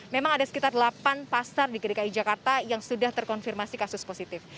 memang ada sekitar delapan pasar di dki jakarta yang sudah terkonfirmasi kasus positif